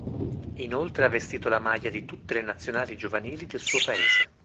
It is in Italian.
Inoltre ha vestito la maglia di tutte le Nazionali giovanili del suo paese.